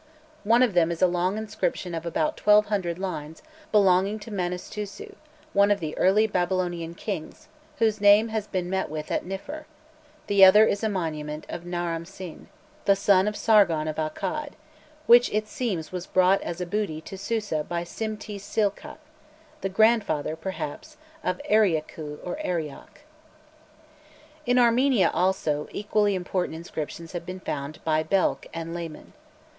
One of them is a long inscription of about 1200 lines belonging to Manistusu, one of the early Babylonian kings, whose name has been met with at Niffer; the other is a monument of Naram Sin, the Son of Sargon of Akkad, which it seems was brought as booty to Susa by Simti silkhak, the grandfather, perhaps, of Eriaku or Arioch. In Armenia, also, equally important inscriptions have been found by Belck and Lehmann.